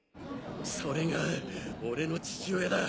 それが俺の父親だ。